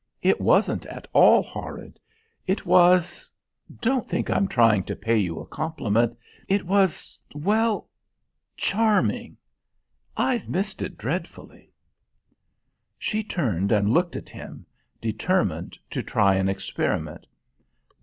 "It wasn't at all horrid. It was don't think I'm trying to pay you a compliment it was, well, charming. I've missed it dreadfully." She turned and looked at him, determined to try an experiment.